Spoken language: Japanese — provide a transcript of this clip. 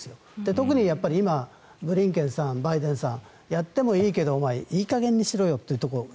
特に今、ブリンケンさんバイデンさんやってもいいけど、お前いい加減にしろよということを